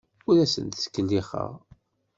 Ur asent-ttkellixeɣ.